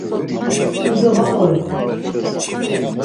Dido va qoropi.